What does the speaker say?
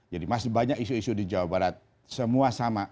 jadi masih banyak isu isu di jawa barat semua sama